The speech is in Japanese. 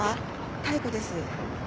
妙子です。